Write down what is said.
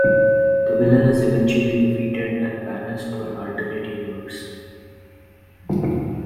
The villain is eventually defeated and banished to an alternate universe.